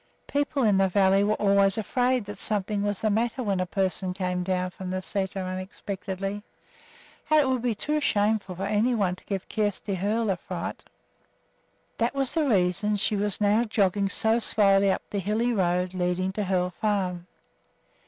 People in the valley were always afraid that something was the matter when a person came from the sæter unexpectedly; and it would be too shameful for any one to give Kjersti Hoel a fright. That was the reason she was now jogging so slowly up over the hilly road leading to Hoel Farm.